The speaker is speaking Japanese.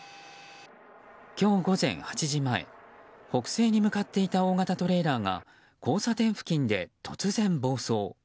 今日午前８時前北西に向かっていた大型トレーラーが交差点付近で突然、暴走。